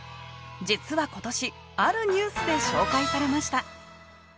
実は今年あるニュースで紹介されました